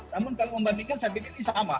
namun kalau membandingkan saya pikir ini sama